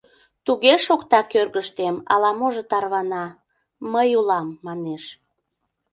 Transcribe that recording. Туге шокта кӧргыштем, ала-можо тарвана, «мый улам» манеш.